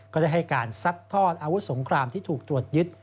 ก็ได้ให้การซัดทอดอาวุธสงครามที่ถูกตรวจยึด